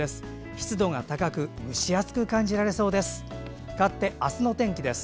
湿度が高く蒸し暑く感じられそうです。